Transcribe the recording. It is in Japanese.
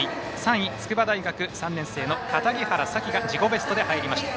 ３位、筑波大学３年生の樫原沙紀が自己ベストで入りました。